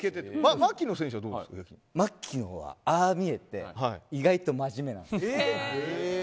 槙野はああ見えて意外と真面目なんですよ。